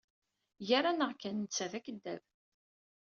Gar-aneɣ kan, netta d akeddab.